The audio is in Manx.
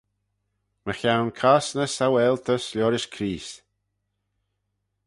Mychione cosney saualtys liorish Creest.